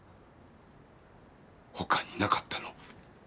他になかったの？